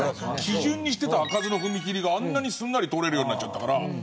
基準にしてた開かずの踏切があんなにすんなり通れるようになっちゃったから。